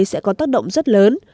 sẽ có tác động rất lớn